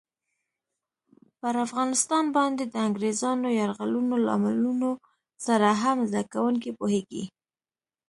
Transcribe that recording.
پر افغانستان باندې د انګریزانو یرغلونو لاملونو سره هم زده کوونکي پوهېږي.